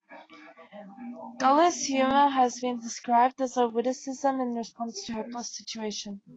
Gallows humor has been described as a witticism in response to a hopeless situation.